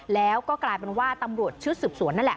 แล้วก็กลายเป็นว่าตำรวจชุดสืบสวนนั่นแหละ